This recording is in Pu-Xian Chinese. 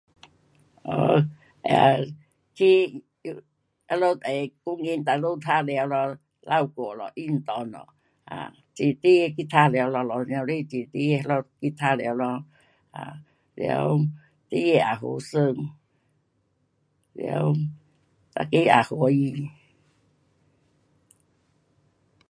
um 去他们的公园哪里玩耍，流汗咯，运动咯，um 直直去玩耍咯，去那里去玩耍咯，了他也好玩。了大家有欢喜。